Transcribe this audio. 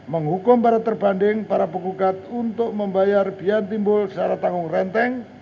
menghukum para terbanding para penggugat untuk membayar biaya timbul secara tanggung renteng